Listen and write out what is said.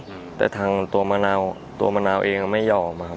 อเจมส์แต่ทางตัวมานาวตัวมานาวเองไม่ยอมครับ